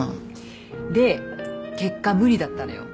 で結果無理だったのよ。